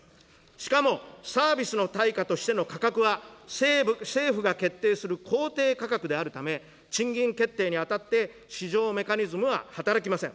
しかもサービスの対価としての価格は、政府が決定する公定価格であるため、賃金決定にあたって、市場メカニズムは働きません。